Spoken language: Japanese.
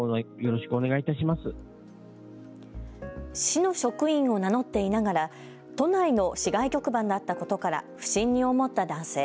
市の職員を名乗っていながら都内の市外局番だったことから不審に思った男性。